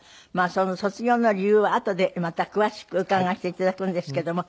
その卒業の理由はあとでまた詳しく伺わせて頂くんですけども。